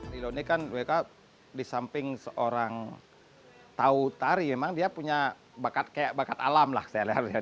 rilo ini kan mereka di samping seorang tahu tari memang dia punya bakat kayak bakat alam lah saya lihat